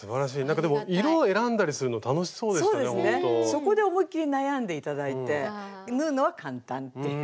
そこで思いっきり悩んで頂いて縫うのは簡単っていう。